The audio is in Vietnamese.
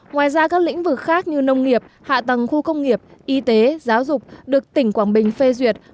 ngoài ra các lĩnh vực khác như nông nghiệp hạ tầng khu công nghiệp y tế giáo dục được tỉnh quảng bình phê duyệt